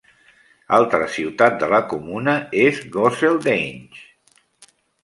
Altra ciutat de la comuna és Gosseldange.